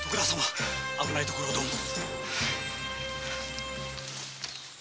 危ないところをどうも。